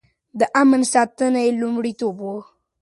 د امن ساتنه يې لومړيتوب و.